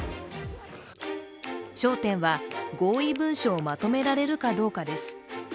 焦点は、合意文書をまとめられるかどうかです。